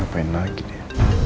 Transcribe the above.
aku mau ke penangkapan